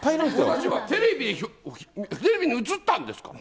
私はテレビに映ったんですから。